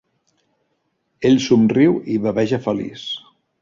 Ell somriu i baveja feliç.